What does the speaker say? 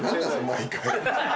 毎回。